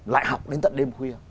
lại học đến tận đêm khuya